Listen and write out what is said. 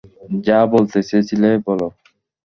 যা বলতে চেয়েছিলে বলো।